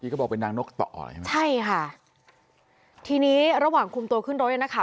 นี่ก็บอกเป็นนางนกต่อใช่ไหมใช่ค่ะทีนี้ระหว่างคุมตัวขึ้นรถอยู่นะคะ